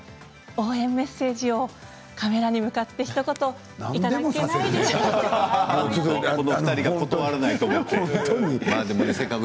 応援メッセージをカメラに向かってひと言いただけないでしょうか。